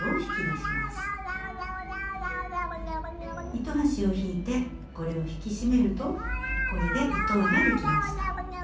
糸端を引いてこれを引き締めるとこれで糸輪ができました。